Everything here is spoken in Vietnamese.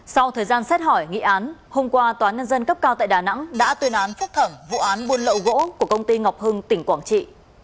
sau thời gian xét hỏi nghị án hôm qua tòa nhân dân cấp cao tại đà nẵng đã tuyên án phúc thẩm vụ án buôn lậu gỗ của công ty ngọc hưng tỉnh quảng trị